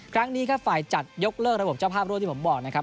ครั้งนี้ครับฝ่ายจัดยกเลิกระบบเจ้าภาพร่วมที่ผมบอกนะครับ